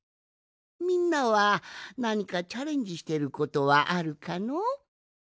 みんなはなにかチャレンジしてることはあるかの？